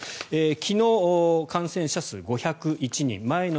昨日感染者数、５０１人。